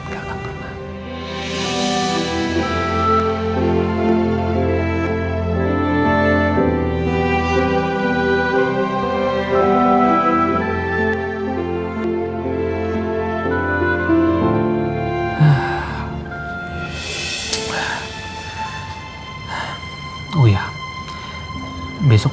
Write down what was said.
gak akan pernah